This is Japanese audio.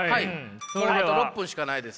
もうあと６分しかないです。